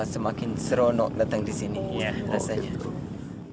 semakin serono datang di sini rasanya